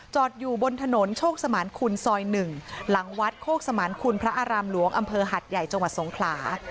อยู่บนถนนโชคสมานคุณซอย๑หลังวัดโคกสมานคุณพระอารามหลวงอำเภอหัดใหญ่จังหวัดสงขลา